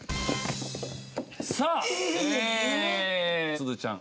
すずちゃん。